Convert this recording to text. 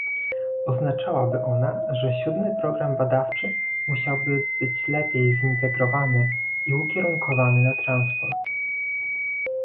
Oznaczałaby ona, że siódmy Program badawczy musiałby być lepiej zintegrowany i ukierunkowany na transport